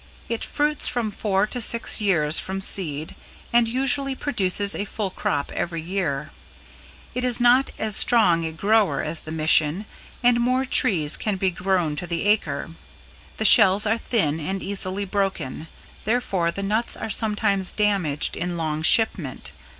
It fruits from four to six years from seed and usually produces a full crop every year. It is not as strong a grower as the Mission and more trees can be grown to the acre. The shells are thin and easily broken, therefore the nuts are sometimes damaged in long shipment.